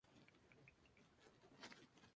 Se trata de poemas con asociaciones libres.